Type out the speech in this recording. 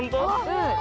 うん。